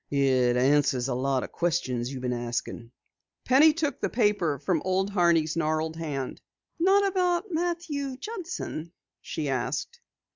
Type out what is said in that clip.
It answers a lot of questions you've been askin'." Penny took the paper from Old Horney's gnarled hand. "Not about Matthew Judson?" she asked.